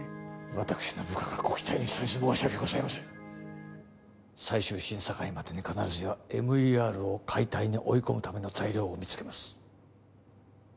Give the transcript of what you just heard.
私の部下がご期待に沿えず申し訳ございません最終審査会までに必ずやＭＥＲを解体に追い込むための材料を見つけます